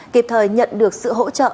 kịp thời nhận được sự hỗ trợ